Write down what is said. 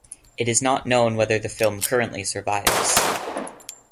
It is not known whether the film currently survives.